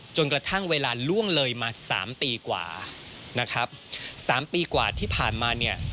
จนกระทั่งเวลาล่วงเลยมาสามปีกว่านะครับสามปีกว่าที่ผ่านมาเนี่ย